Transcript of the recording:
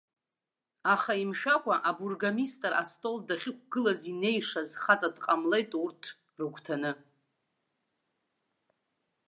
Аха имшәакәа, абургомистр астол дахьықәгылаз инеишаз хаҵа дҟамлеит урҭ рыгәҭаны.